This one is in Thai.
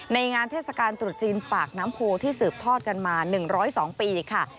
งานเทศกาลตรุษจีนปากน้ำโพที่สืบทอดกันมา๑๐๒ปีค่ะ